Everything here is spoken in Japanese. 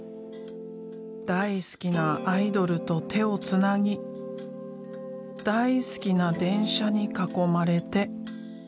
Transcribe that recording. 大好きなアイドルと手をつなぎ大好きな電車に囲まれて。